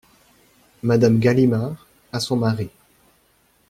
Madame Galimard , à son mari.